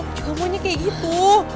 kamunya kayak gitu